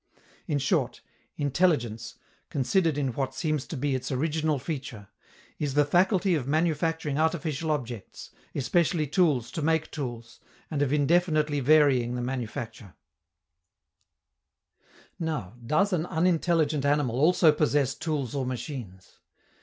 In short, _intelligence, considered in what seems to be its original feature, is the faculty of manufacturing artificial objects, especially tools to make tools, and of indefinitely varying the manufacture_. Now, does an unintelligent animal also possess tools or machines?